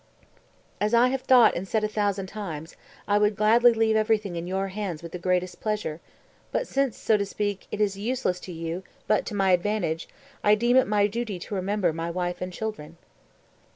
240. "As I have thought and said a thousand times I would gladly leave everything in your hands with the greatest pleasure, but since, so to speak, it is useless to you but to my advantage, I deem it my duty to remember my wife and children."